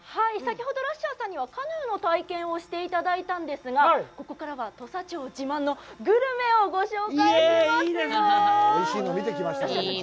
先ほど、ラッシャーさんにはカヌーの体験をしていただいたんですが、ここからは土佐町自慢のグルメをご紹介しますよ。